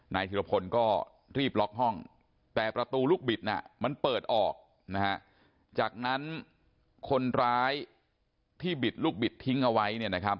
ธิรพลก็รีบล็อกห้องแต่ประตูลูกบิดมันเปิดออกจากนั้นคนร้ายที่บิดลูกบิดทิ้งเอาไว้